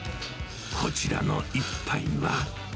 こちらの一杯は。